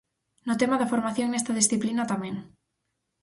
No tema da formación nesta disciplina tamén.